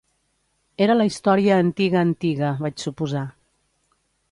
Era la història antiga, antiga, vaig suposar.